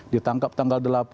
ditangkap tanggal delapan